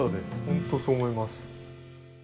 本当そう思います。